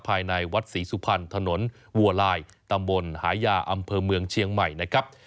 ภายในวัดศรีสุพรรณถนนวัวลายตำบลหายาอำเภอเมืองเชียงใหม่นะครับ